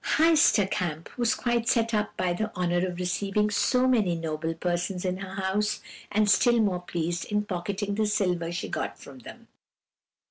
"Heister Kamp was quite set up by the honour of receiving so many noble persons in her house, and still more pleased in pocketing the silver she got from them.